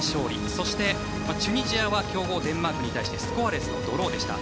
そしてチュニジアは強豪デンマークに対してスコアレスのドローでした。